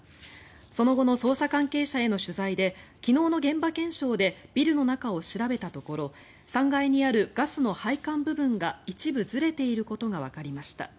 その後の捜査関係者への取材で昨日の現場検証でビルの中を調べたところ３階にあるガスの配管部分が一部ずれていることがわかりました。